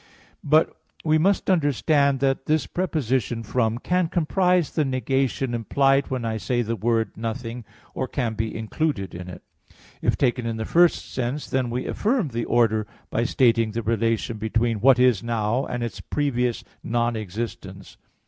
But we must understand that this preposition "from" [ex] can comprise the negation implied when I say the word "nothing," or can be included in it. If taken in the first sense, then we affirm the order by stating the relation between what is now and its previous non existence.